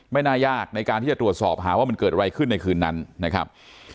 น่ายากในการที่จะตรวจสอบหาว่ามันเกิดอะไรขึ้นในคืนนั้นนะครับ